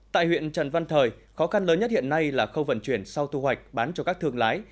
tại huyện trần văn thời khó khăn lớn nhất hiện nay là khâu vận chuyển sau thu hoạch bán cho các thương lái